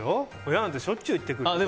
親なんてしょっちゅう言ってくるよ。